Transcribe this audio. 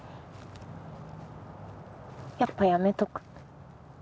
やっぱやめとく。